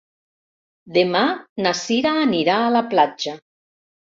Demà na Cira anirà a la platja.